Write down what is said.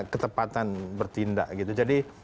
ketepatan bertindak gitu jadi